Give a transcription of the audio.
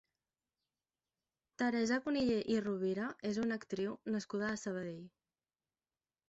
Teresa Cunillé i Rovira és una actriu nascuda a Sabadell.